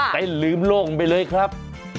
แต่ลืมโลกมันไปเลยครับ